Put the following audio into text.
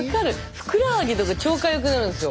ふくらはぎとか超かゆくなるんですよ。